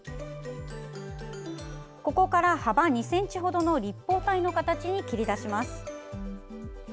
ここから幅２ｃｍほどの立方体の形に切り出します。